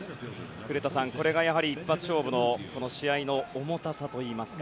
古田さん、これが一発勝負の試合の重たさといいますか。